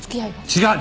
違う！